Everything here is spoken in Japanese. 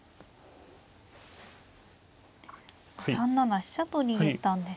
３七飛車と逃げたんですね。